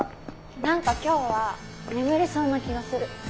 何か今日は眠れそうな気がする。